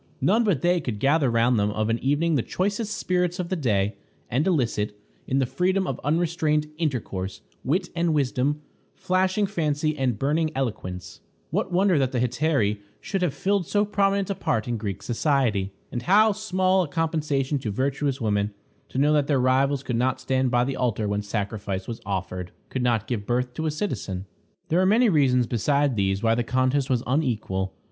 None but they could gather round them of an evening the choicest spirits of the day, and elicit, in the freedom of unrestrained intercourse, wit and wisdom, flashing fancy and burning eloquence. What wonder that the Hetairæ should have filled so prominent a part in Greek society! And how small a compensation to virtuous women to know that their rivals could not stand by the altar when sacrifice was offered; could not give birth to a citizen! There are many reasons besides these why the contest was unequal.